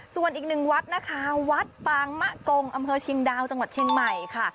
ส่วนอีกหนึ่งวัดนะคะวัดปางมะกงอำเภอเชียงดาวจังหวัดเชียงใหม่ค่ะ